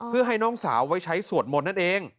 เพื่อให้น้องสาวใช้สวดหมดนั่นเอง